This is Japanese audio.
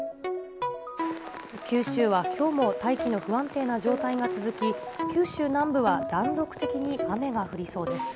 九州はきょうも大気の不安定な状態が続き、九州南部は断続的に雨が降りそうです。